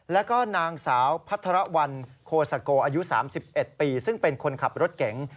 แล้วก็นางสาวพัทรวรรณโคซาโกอายุ๓๑ปีซึ่งเป็นคนขับรถเก๋ง